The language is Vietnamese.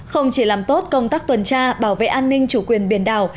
không chỉ làm tốt công tác tuần tra bảo vệ an ninh chủ quyền biển đảo